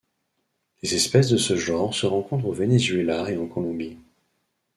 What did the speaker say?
Les espèces de ce genre se rencontrent au Venezuela et en Colombie.